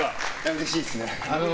うれしいですね。